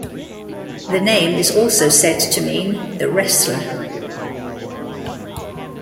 The name is also said to mean "the wrestler".